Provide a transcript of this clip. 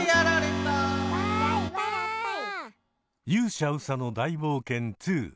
「勇者うさの大冒険２」